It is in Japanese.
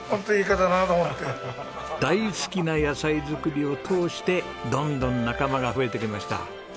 大好きな野菜作りを通してどんどん仲間が増えてきました。